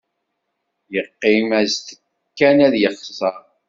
Yeqqim-as-d kan ad yexẓer.